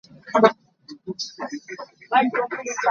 It is one of the four most prestigious Grammy Awards.